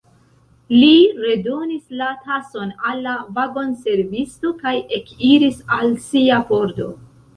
Li redonis la tason al la vagonservisto, kaj ekiris al sia pordo.